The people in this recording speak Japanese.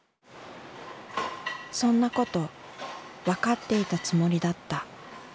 そんなことわかっていたつもりだった。